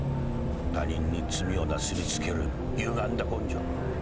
他人に罪をなすり付けるゆがんだ根性。